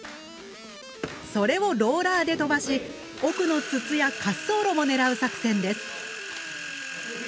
それをローラーで飛ばし奥の筒や滑走路も狙う作戦です。